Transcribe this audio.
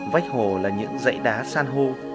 vách hồ là những dãy đá san hô